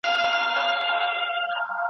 موږ ګټلي دي جنګونه`